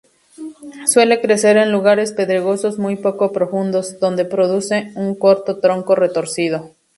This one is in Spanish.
Suele crecer en lugares pedregosos muy poco profundos, donde produce un corto tronco retorcido.